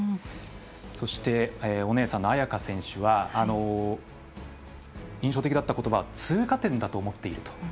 そしてお姉さんの亜矢可選手は印象的だったことばは通過点だと思っていると。